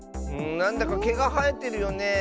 なんだかけがはえてるよねえ。